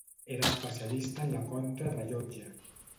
Era especialista en la contrarellotge.